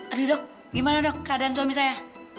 aduh dok gimana dok keadaan suami saya